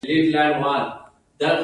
ایا سګرټ څکول سږو ته زیان رسوي